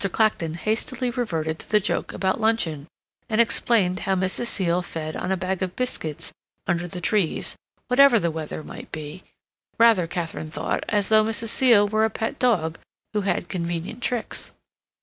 Clacton hastily reverted to the joke about luncheon, and explained how Mrs. Seal fed on a bag of biscuits under the trees, whatever the weather might be, rather, Katharine thought, as though Mrs. Seal were a pet dog who had convenient tricks.